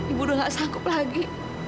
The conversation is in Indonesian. ibu udah gak sanggup lagi